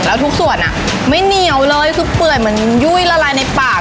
แล้วทุกส่วนไม่เหนียวเลยคือเปื่อยเหมือนยุ่ยละลายในปาก